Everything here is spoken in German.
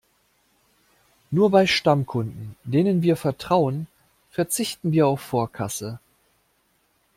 Nur bei Stammkunden, denen wir vertrauen, verzichten wir auf Vorkasse.